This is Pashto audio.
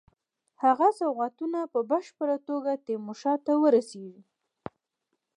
هغه سوغاتونه په بشپړه توګه تیمورشاه ته ورسیږي.